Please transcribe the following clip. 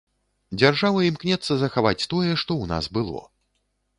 Дзяржава імкнецца захаваць тое, што ў нас было.